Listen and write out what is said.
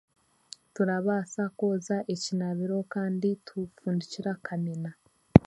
Turabaasa kwoza ekinaabiro kandi tufundikira kamina